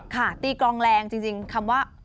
ตีกลองแรงจริงคำว่า